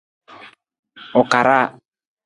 U karaa.